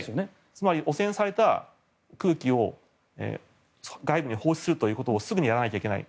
つまり汚染された空気を外部に放出するということをすぐにやらなきゃいけない。